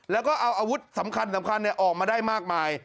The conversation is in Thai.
แล้วก็เอาอาวุธสำคัญออกมาได้มากมาย